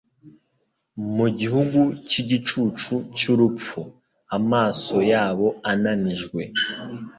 mu «gihugu cy'igicucu cy'urupfu», amaso ya bo ananijwe,